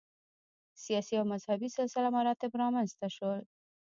سیاسي او مذهبي سلسله مراتب رامنځته شول